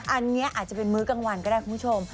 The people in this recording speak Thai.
อันนี้อาจจะเป็นมื้อกลางวันก็ได้คุณผู้ชม